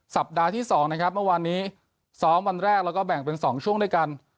สัปดาห์ที่๒นะครับเมื่อวานนี้ซ้อมวันแรกแล้วก็แบ่งเป็น๒ช่วงด้วยกัน